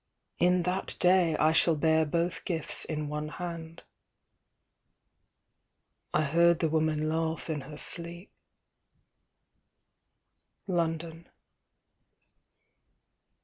In that day I shall bear both gifts in one hand. ŌĆØ I heard the woman laugh in her sleep. London.